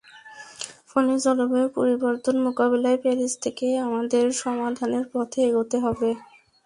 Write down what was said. ফলে জলবায়ু পরিবর্তন মোকাবিলায় প্যারিস থেকেই আমাদের সমাধানের পথে এগোতে হবে।